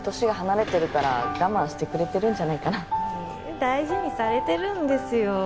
大事にされてるんですよ